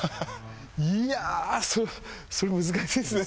いやそれ難しいですね。